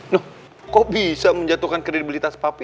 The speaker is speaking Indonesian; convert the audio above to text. nuh kok bisa menjatuhkan kredibilitas papi